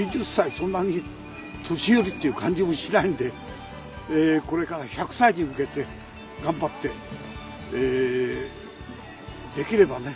そんなに年寄りという感じもしないんでこれから１００歳に向けて頑張ってできればね